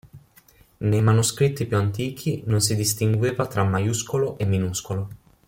Nei manoscritti più antichi non si distingueva tra maiuscolo e minuscolo.